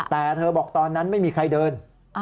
แต่เธอบอกตอนนั้นไม่มีใครเดิน